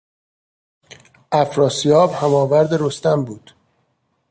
افراسیاب هماورد رستم بود.